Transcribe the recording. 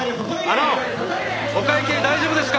あのお会計大丈夫ですか？